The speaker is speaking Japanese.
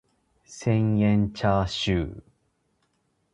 千円チャーシュー